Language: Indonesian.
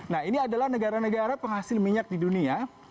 nah ini adalah negara negara penghasil minyak di dunia